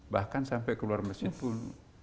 bahkan sampai keluar masjid pun